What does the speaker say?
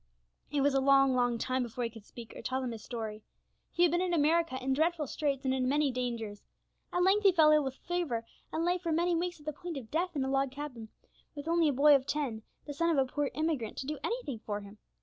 It was a long, long time before he could speak, or could tell them his story. He had been in America in dreadful straits and in many dangers. At length he fell ill with fever, and lay for many weeks at the point of death, in a log cabin, with only a boy of ten, the son of a poor emigrant, to do anything for him.